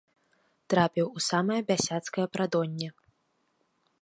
Трапіў у самае бясяцкае прадонне.